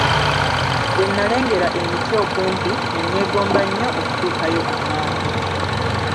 Bwe nalengera emiti okumpi, ne neegomba nnyo okutuukayo amangu